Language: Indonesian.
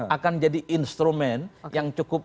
akan jadi instrumen yang cukup